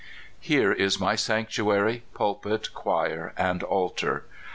Here is my sanctuary, pulpit, choir, and altar.